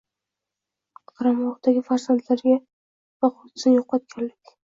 qaramog‘idagi farzandlariga boquvchisini yo‘qotganlik